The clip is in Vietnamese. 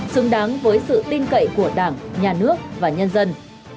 xứng đáng với sự tin cậy của đảng nhà nước và nhân dân